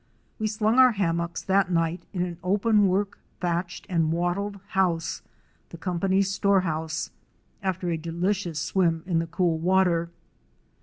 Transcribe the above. We slung our hammocks that night in an open work, thatched and wattled house, the company's store house, after a delicious swim in the cool water.